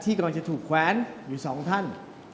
ที่กำหนดจะถูกแคว้น๒ท่าน